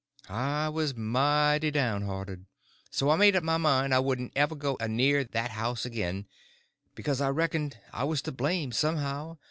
I was mighty downhearted; so I made up my mind I wouldn't ever go anear that house again, because I reckoned I was to blame, somehow.